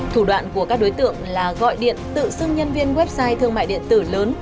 thủ đoạn của các đối tượng là gọi điện tự xưng nhân viên website thương mại điện tử lớn